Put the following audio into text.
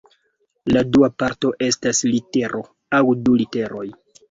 La dua parto estas litero aŭ du literoj.